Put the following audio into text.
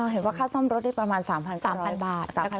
เห็นว่าค่าซ่อมรถนี่ประมาณ๓๐๐บาท